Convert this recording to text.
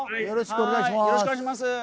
よろしくお願いします。